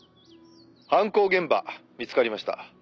「犯行現場見つかりました」